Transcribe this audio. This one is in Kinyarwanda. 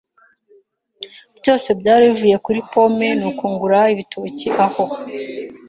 Byose byari bivuye kuri pome, nuko ngura ibitoki aho.